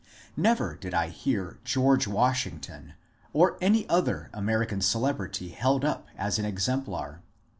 Never did I hear George Washington or any other American celebrity held up as an exemplar.